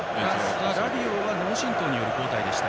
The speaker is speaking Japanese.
ラビオは脳震とうによる交代でした。